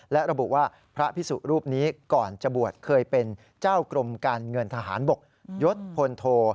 และระบุว่าพระพิสุรูปนี้ก่อนจะบวชเคยเป็นเจ้ากรมการเงินทหารบกยศพลโท